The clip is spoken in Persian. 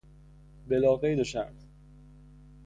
بلاقید وشرط